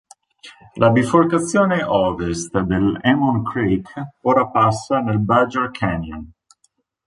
La biforcazione Ovest dell'Amon Creek ora passa nel Badger Canyon.